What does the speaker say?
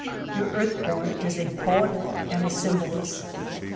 Your earth (^^ born_is_a_^et and a symbolist.